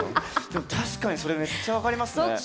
でも確かにそれめっちゃわかりますね。